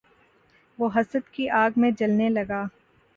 وہ حسد کی آگ میں جلنے لگا